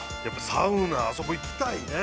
◆サウナ、あそこ行きたいね。